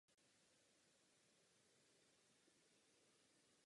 Záleží na koncentraci kyseliny dusičné.